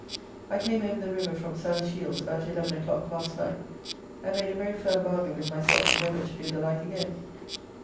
I came over the river from South Shields about eleven o'clock last night, and made a very firm bargain with myself never to do the like again.